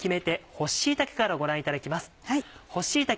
干し椎茸からご覧いただきます。